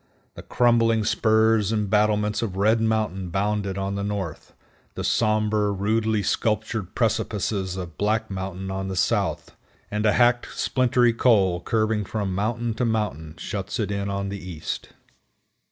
The crumbling spurs and battlements of Red Mountain bound it on the north, the somber, rudely sculptured precipices of Black Mountain on the south, and a hacked, splintery col, curving around from mountain to mountain, shuts it in on the east.